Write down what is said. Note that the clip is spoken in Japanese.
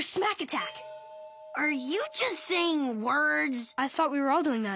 あっ！